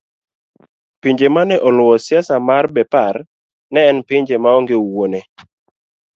pinje mane oluwo siasa mar Bepar ne en pinje maonge wuone